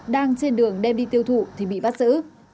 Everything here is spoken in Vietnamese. đang trên đường đem đi tiêu thụ thì bị bắt giữ